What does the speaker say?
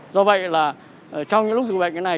do vậy là trong những lúc dùng vệnh như thế này